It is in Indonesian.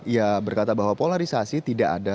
ya berkata bahwa polarisasi tidak ada